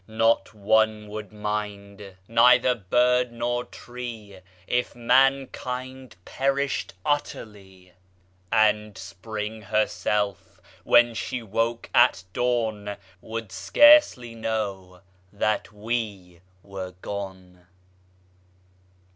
Not one would mind, neither bird nor tree If mankind perished utterly; And Spring herself, when she woke at dawn, Would scarcely know that we were gone.